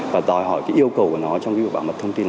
và đòi hỏi cái yêu cầu của nó trong cái việc bảo mật thông tin